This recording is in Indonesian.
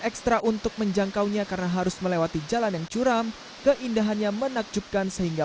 ekstra untuk menjangkaunya karena harus melewati jalan yang curam keindahannya menakjubkan sehingga